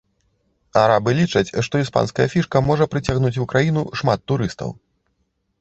Арабы лічаць, што іспанская фішка можа прыцягнуць у краіну шмат турыстаў.